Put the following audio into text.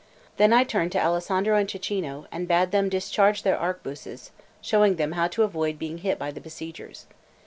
Then I turned to Alessandro and Cecchino, and bade them discharge their arquebuses, showing them how to avoid being hit by the besiegers.